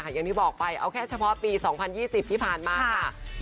อย่างที่บอกไปเอาแค่เฉพาะปี๒๐๒๐ที่ผ่านมาค่ะ